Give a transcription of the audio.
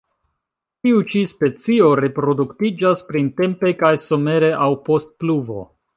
Tiu ĉi specio reproduktiĝas printempe kaj somere aŭ post pluvo.